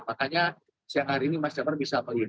makanya sehari ini mas jafar bisa melihat